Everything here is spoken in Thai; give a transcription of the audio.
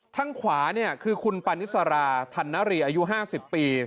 ทั้งขวาเนี่ยคือคุณปัณฏธิสราธัณฑ์นารีอายุห้าสิบปี